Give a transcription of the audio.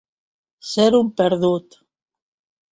Ser un perdut.